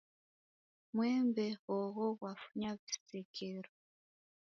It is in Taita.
Mwembe hogho ghwafunya vishekero.